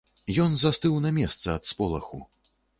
Ён застыў на месцы ад спалоху.